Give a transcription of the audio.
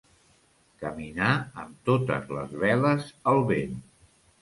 Caminar amb totes les veles al vent.